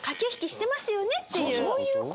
そういう事？